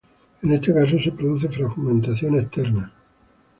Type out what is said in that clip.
En este caso se produce fragmentación externa.